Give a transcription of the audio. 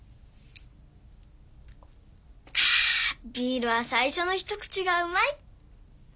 あビールは最初の一口がうまい。